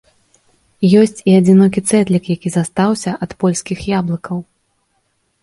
Ёсць і адзінокі цэтлік, які застаўся ад польскіх яблыкаў.